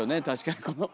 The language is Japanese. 確かに。